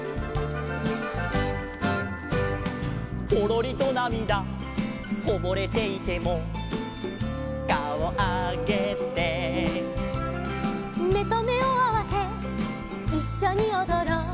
「ポロリとなみだこぼれていてもかおあげて」「目と目をあわせいっしょにおどろう」